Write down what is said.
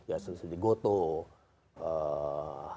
ya seperti gotoh